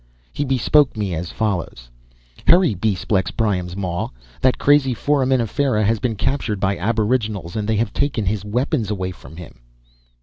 He bespoke me as follows: "Hurry, Besplex Priam's Maw. That crazy Foraminifera has been captured by aboriginals and they have taken his weapons away from him."